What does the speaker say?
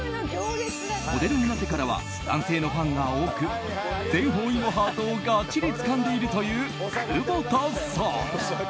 モデルになってからは男性のファンが多く全方位のハートをがっちりつかんでいるという久保田さん。